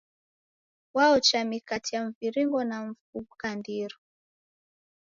W'aocha mikate ya mviringo ya mfu ghukandiro.